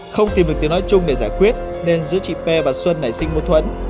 không tìm được tiếng nói chung để giải quyết nên giữa chị p và xuân nảy sinh mâu thuẫn